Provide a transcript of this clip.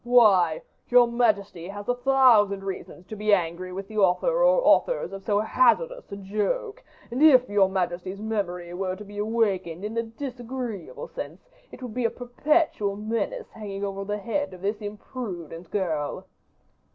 "Why, your majesty has a thousand reasons to be angry with the author or authors of so hazardous a joke; and, if your majesty's memory were to be awakened in a disagreeable sense, it would be a perpetual menace hanging over the head of this imprudent girl."